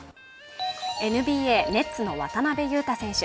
ＮＢＡ・ネッツの渡邊雄太選手。